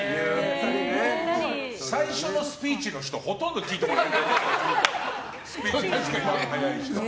最初のスピーチの人ほとんど聞いてもらえないね。